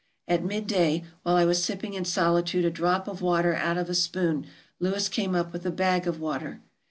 At mid day, while I was sipping in solitude a drop of water out of a spoon, Lewis came up with a bag of water.